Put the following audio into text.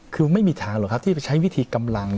คือไม่มีทางหรอกครับที่ไปใช้วิธีกำลัง